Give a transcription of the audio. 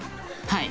はい。